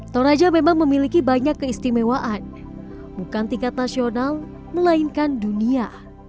toraja memang memiliki banyak keistimewaan bukan tingkat nasional melainkan dunia